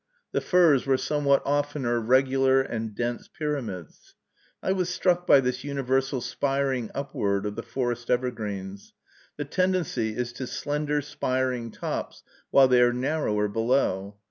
The firs were somewhat oftener regular and dense pyramids. I was struck by this universal spiring upward of the forest evergreens. The tendency is to slender, spiring tops, while they are narrower below.